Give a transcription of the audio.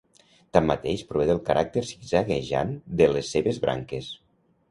Tanmateix prové del caràcter zigzaguejant de les seves branques.